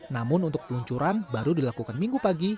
namun untuk peluncuran baru dilakukan minggu pagi